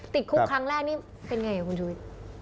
ติดคุกครั้งแรกนี่เป็นไงคุณชุวิต